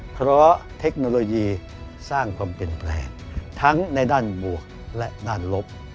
เพราะเทคโนโลยีสร้างความเปลี่ยนแปลงทั้งในด้านบวกและด้านลบ